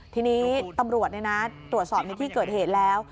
ทีนี้ตำรวจตรวจสอบในที่เกิดเหตุแล้ว